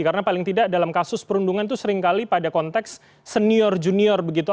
karena paling tidak dalam kasus perundungan itu seringkali pada konteks senior junior begitu